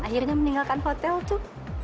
akhirnya meninggalkan hotel itu